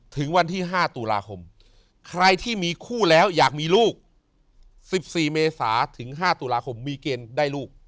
ถึงวันที่๕ตุลาคมใครที่มีคู่แล้วอยากมีลูก๑๔เมษาถึง๕ตุลาคมมีเกณฑ์ได้ลูก